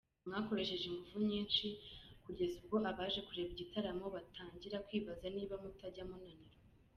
Mwakoresheje ingufu nyinshi kugeza ubwo abaje kureba igitaramo batangira kwibaza niba mutajya munanirwa.